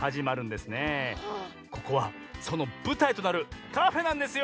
ここはそのぶたいとなるカフェなんですよ！